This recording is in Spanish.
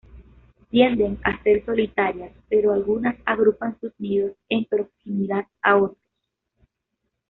Tienden a ser solitarias, pero algunas agrupan sus nidos en proximidad a otros.